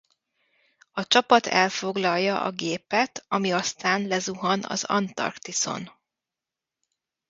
A csapat elfoglalja a gépet ami aztán lezuhan az Antarktiszon.